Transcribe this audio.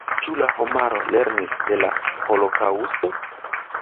Ĉu la homaro lernis de la holokaŭsto?